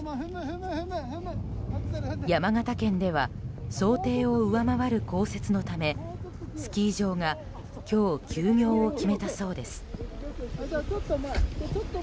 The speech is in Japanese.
山形県では想定を上回る降雪のためスキー場が今日、休業を決めたそうです。